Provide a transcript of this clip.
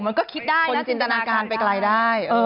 มันก็คิดได้คนจินตนาการไปไกลได้